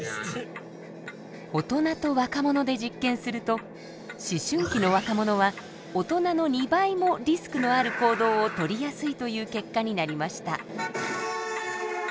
大人と若者で実験すると思春期の若者は大人の２倍もリスクのある行動を取りやすいという結果になりました。